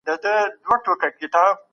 څوک غواړي ویزه په بشپړ ډول کنټرول کړي؟